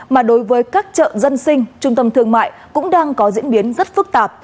mà đối với các chợ dân sinh trung tâm thương mại cũng đang có diễn biến rất phức tạp